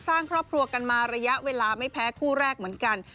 สร้างครอบครัวกันมาระยะเวลาไม่แพ้คู่แรกเหมือนกัน